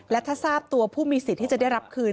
และถ้าทราบตัวผู้มีสิทธิ์ที่จะได้รับคืน